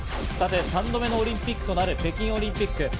３度目のオリンピックとなる北京オリンピック。